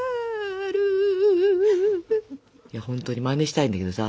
本当にマネしたいんだけどさ